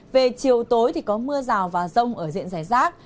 về chiều tối thì có mưa rào và rông ở diện giải rác